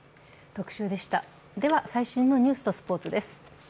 では、最新のニュースとスポーツです。